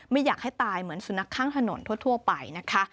ไม่อยากให้ตายเหมือนสุนัขข้างถนนทั่วไปนะคะ